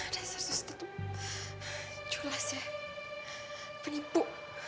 dasar suster tuh jelas ya penipu